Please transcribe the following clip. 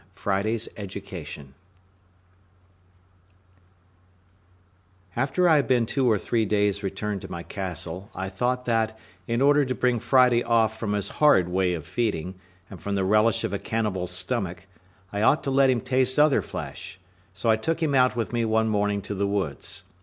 FRIDAY'S EDUCATION After I had been two or three days returned to my castle, I thought that, in order to bring Friday off from his horrid way of feeding, and from the relish of a cannibal's stomach, I ought to let him taste other flesh; so I took him out with me one morning to the woods.